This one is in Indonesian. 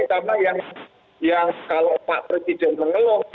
karena yang kalau pak presiden mengeluh soal